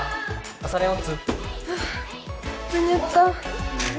あっ？